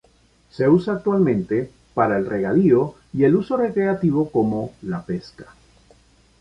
Se usa actualmente para el regadío y el uso recreativo como la pesca.